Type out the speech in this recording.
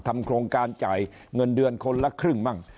ทำโครงการจ่ายเงินเดือนคนละครึ่งมั่ง